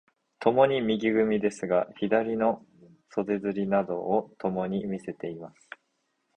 共に右組ですが、左の袖釣などをともに見せています。